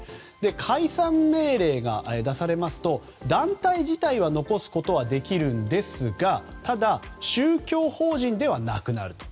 解散命令が出されますと団体自体は残すことはできるんですがただ、宗教法人ではなくなると。